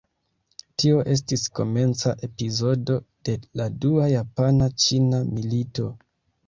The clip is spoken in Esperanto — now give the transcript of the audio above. Tio estis komenca epizodo de la Dua japana-ĉina milito.